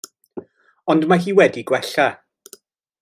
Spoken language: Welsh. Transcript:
Ond mae hi wedi gwella.